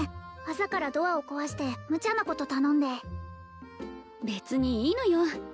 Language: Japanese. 朝からドアを壊してムチャなこと頼んで別にいいのよ